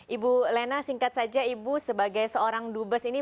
ibu lena singkat saja ibu sebagai seorang dubes ini